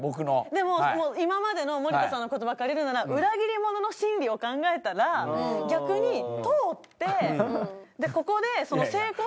でも今までの森田さんの言葉借りるなら裏切り者の心理を考えたら逆に通ってここで成功しちゃったら。